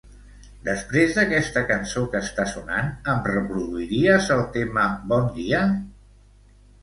Després d'aquesta cançó que està sonant, em reproduiries el tema "Bon dia"?